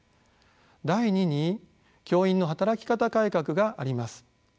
第二に教員の働き方改革があります。